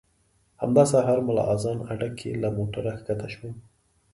همدا سهار ملا اذان اډه کې له موټره ښکته شوم.